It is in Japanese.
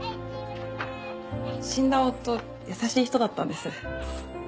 死んだ夫優しい人だったんです。